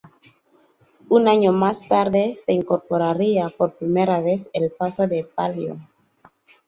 Un año más tarde se incorporaría por primera vez el paso de palio.